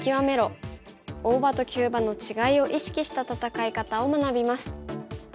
大場と急場の違いを意識した戦い方を学びます。